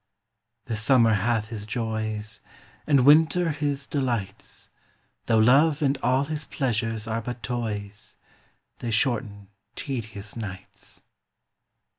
The summer hath his joys, And winter his delights; Though love and all his pleasures are but toys, They shorten tedious nights.